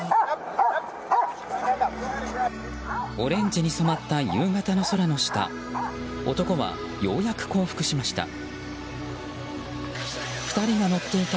オレンジに染まった夕方の空の下男はようやく降伏しました。